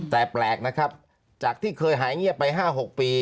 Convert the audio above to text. แต่แปลกนะครับจากที่เคยหายเงียบไป๕๖ปี